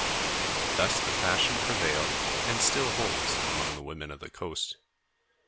Thus the fashion prevailed and still holds among the women of the coast.